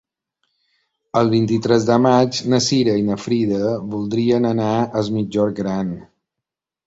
El vint-i-tres de maig na Cira i na Frida voldrien anar a Es Migjorn Gran.